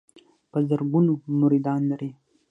په زرګونو مریدان لري.